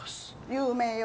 有名よ。